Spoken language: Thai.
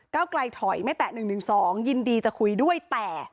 ไกลถอยไม่แตะ๑๑๒ยินดีจะคุยด้วยแต่